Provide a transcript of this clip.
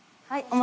はい。